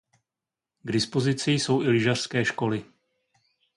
K dispozici jsou i lyžařské školy.